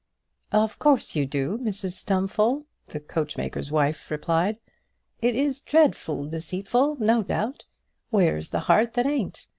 "Of course you do, Mrs Stumfold," the coachmaker's wife replied. "It is dreadful deceitful, no doubt. Where's the heart that ain't?